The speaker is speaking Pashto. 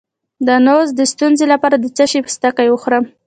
د نعوظ د ستونزې لپاره د څه شي پوستکی وخورم؟